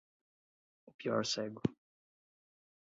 O pior cego